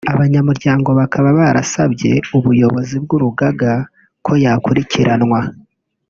Abanyamuryango bakaba barasabye ubuyobozi bw’urugaga ko yakurikiranwa